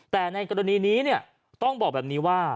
แต่ในกรณีนี้ต้องบอกแบบนี้ว่า